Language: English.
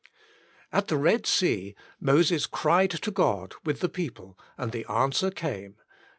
At the Eed Sea, Moses cried to God with the people and the answer came (xiv.